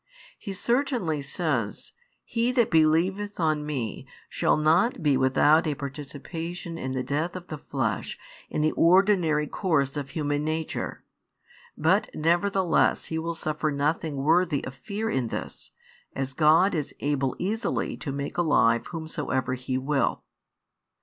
He certainly says: "He that helieveth on Me shall not be without a participation in the death of the flesh in the ordinary course of human nature, but nevertheless he will suffer nothing worthy of fear in this, as God is able easily to make alive whomsoever He will."